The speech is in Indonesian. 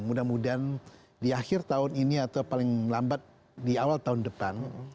mudah mudahan di akhir tahun ini atau paling lambat di awal tahun depan